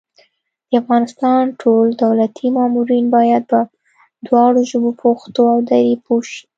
د افغانستان ټول دولتي مامورین بايد په دواړو ژبو پښتو او دري پوه شي